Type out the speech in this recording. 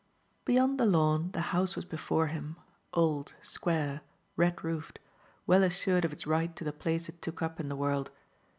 Beyond the lawn the house was before him, old, square, red roofed, well assured of its right to the place it took up in the world.